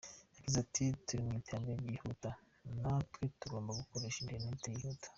Yagize ati “Turi mu iterambere ryihuta na twe tugomba gukoresha interineti yihuta.